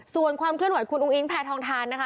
ส่วนความเคลื่อนไหวคุณอุ้งอิงแพรทองทานนะคะ